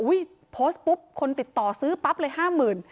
โพสต์ปุ๊บคนติดต่อซื้อปั๊บเลยห้าหมื่น